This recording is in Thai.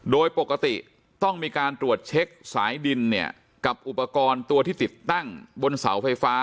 โดยปกติต้องมีการตรวจเช็คสายดินเนี่ยกับอุปกรณ์ตัวที่ติดตั้งบนเสาไฟฟ้า